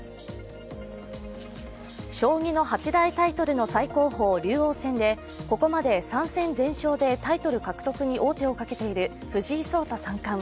将棋の八大タイトルの最高峰竜王戦で、ここまで３戦全勝でタイトル獲得に王手をかけている藤井聡太三冠。